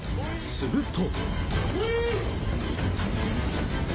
すると。